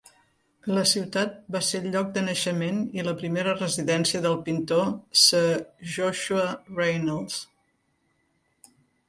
La ciutat va ser el lloc de naixement i la primera residència del pintor Sir Joshua Reynolds.